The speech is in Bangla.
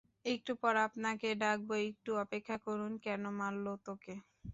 একটু পর আপনাকে ডাকবো একটু অপেক্ষা করুন কেনো মারলো তোকে?